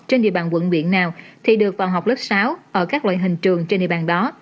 trên địa bàn quận nguyện nào thì được vào học lớp sáu ở các loại hình trường trên địa bàn đó